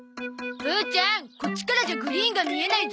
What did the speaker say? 父ちゃんこっちからじゃグリーンが見えないゾ。